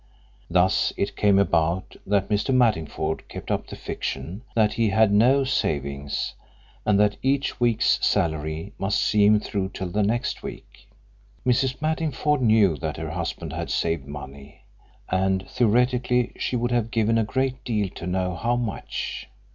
Thus it came about that Mr. Mattingford kept up the fiction that he had no savings and that each week's salary must see him through till the next week. Mrs. Mattingford knew that her husband had saved money, and theoretically she would have given a great deal to know how much.